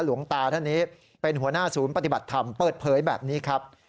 หลวงตาท่านนี้เป็นหัวหน้าศูนย์ปฏิบัติธรรมเปิดเผยแบบนี้ครับ